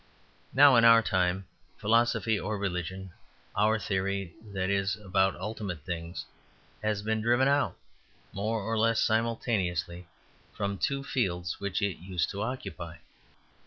Now, in our time, philosophy or religion, our theory, that is, about ultimate things, has been driven out, more or less simultaneously, from two fields which it used to occupy.